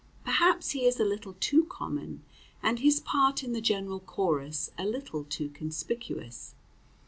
Perhaps he is a little too common, and his part in the general chorus a little too conspicuous.